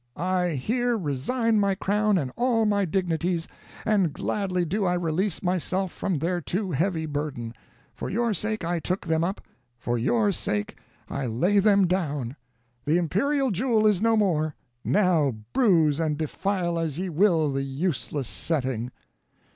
I here resign my crown and all my dignities, and gladly do I release myself from their too heavy burden. For your sake I took them up; for your sake I lay them down. The imperial jewel is no more; now bruise and defile as ye will the useless setting."